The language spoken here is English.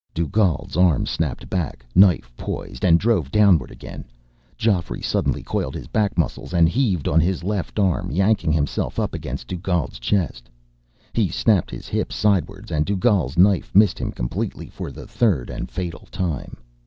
Dugald's arm snapped back, knife poised, and drove downward again. Geoffrey suddenly coiled his back muscles and heaved on his left arm, yanking himself up against Dugald's chest. He snapped his hips sideward, and Dugald's knife missed him completely for the third and fatal time.